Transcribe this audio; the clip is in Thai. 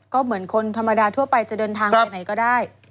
ก็เหมือนคนธรรมดาทั่วไปจะเดินทางไปไหนก็ได้